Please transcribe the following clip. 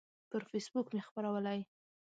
پر فیسبوک مې خپرولی